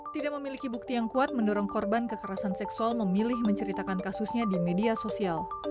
tidak memiliki bukti yang kuat mendorong korban kekerasan seksual memilih menceritakan kasusnya di media sosial